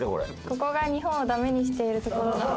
「ここが日本をだめにしているところだ」